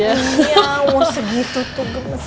iya wah segitu tuh